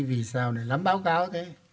vì sao lắm báo cáo thế